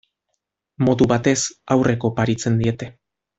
Modu batez, haurrek oparitzen diete.